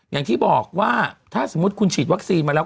อย่างที่บอกว่าถ้าสมมุติคุณฉีดวัคซีนมาแล้ว